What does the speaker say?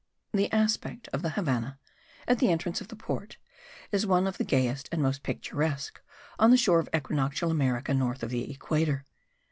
The aspect of the Havannah, at the entrance of the port, is one of the gayest and most picturesque on the shore of equinoctial America north of the equator.